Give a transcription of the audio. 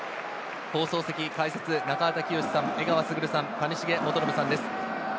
放送席解説、中畑清さん、江川卓さん、谷繁元信さんです。